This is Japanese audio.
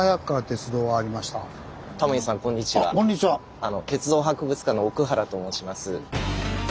鉄道博物館の奥原と申します。